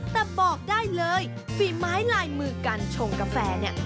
แต่บอกได้เลยฝีไม้ลายมือการชงกาแฟเนี่ย